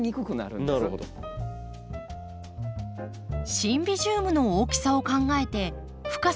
シンビジウムの大きさを考えて深さ